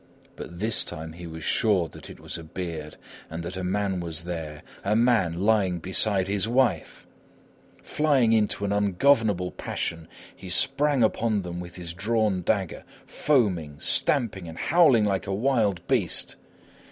But this time he was sure that it was a beard and that a man was there! a man lying beside his wife! Flying into an ungovernable passion, he sprang upon them with his drawn dagger, foaming, stamping and howling like a wild beast.